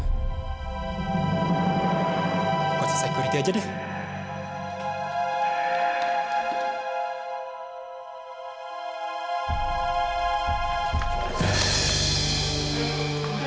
kau kasih security aja deh